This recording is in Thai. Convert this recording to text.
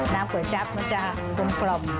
ก๋วยจั๊บมันจะกลม